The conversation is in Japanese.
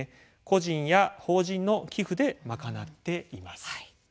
個人や法人の寄付で賄っています。